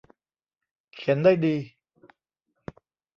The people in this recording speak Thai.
เขียนได้ดี